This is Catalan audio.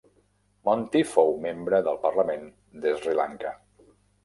Monty fou membre del parlament d'Sri Lanka.